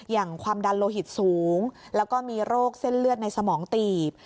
อย่างความดันโลหิตสูงแล้วก็มีโรคเส้นเลือดในสมองตีบ